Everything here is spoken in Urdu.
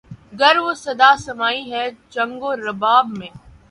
گر وہ صدا سمائی ہے چنگ و رباب میں